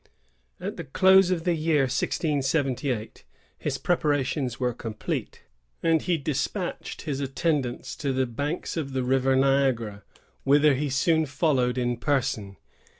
At the close of the year 1678, his preparations were complete, and he despatched his attendants to the banks of the river Niagara, whither he soon followed in person.